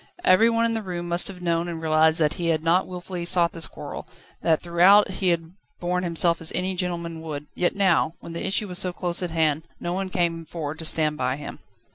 Every one in the room must have known and realised that he had not wilfully sought this quarrel, that throughout he had borne himself as any gentleman would, yet now, when the issue was so close at hand, no one came forward to stand by him.